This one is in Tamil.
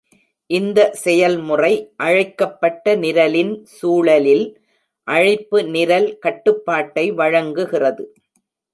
இந்த செயல்முறை அழைக்கப்பட்ட நிரலின் சூழலில் அழைப்பு நிரல் கட்டுப்பாட்டை வழங்குகிறது.